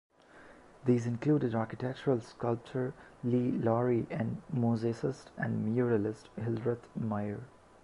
These included architectural sculptor Lee Lawrie, and mosaicist and muralist Hildreth Meiere.